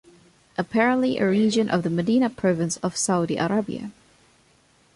Apparently a region of the Medina Province of Saudi Arabia.